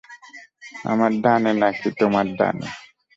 আমার ডানে নাকি তোমার ডানে?